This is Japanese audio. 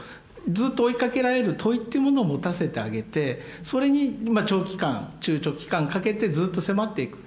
ずっと追いかけられる問いというものを持たせてあげてそれにまあ長期間中・長期間かけてずっと迫っていく。